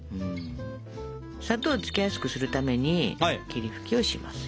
砂糖をつけやすくするために霧吹きをしますよ。